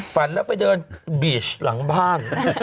ฝันแล้วไปเดินบีชหลังบ้าน